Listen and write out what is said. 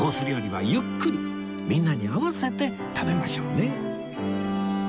料理はゆっくりみんなに合わせて食べましょうね